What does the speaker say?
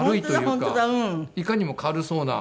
いかにも軽そうな。